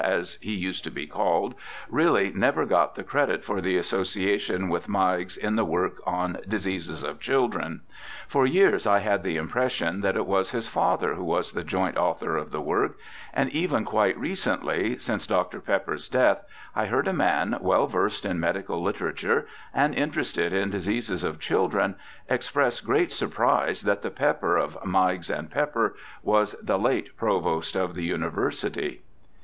as he used to be called, really never got the credit for the association with Meigs in the work on Diseases of Children. For years I had the impression that it was his father who was the joint author of the work ; and even quite recently, since Dr. Pepper's death, I heard a man well versed in medical literature and interested in diseases of children, express great surprise that the Pepper of Meigs and Pepper was the late Provost of the University.